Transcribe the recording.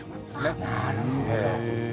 なるほど。